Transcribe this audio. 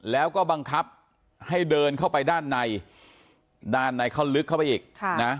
แล้วก็บังคับให้เดินเข้าไปด้านในด้านในเขาลึกเข้าไปอีกนะ